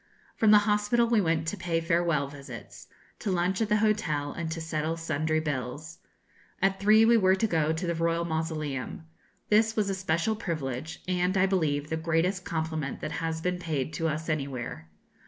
From the hospital we went to pay farewell visits, to lunch at the hotel, and to settle sundry bills. At three we were to go to the Royal Mausoleum. This was a special privilege, and, I believe, the greatest compliment that has been paid to us anywhere.